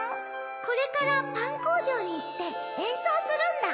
これからパンこうじょうにいってえんそうするんだ。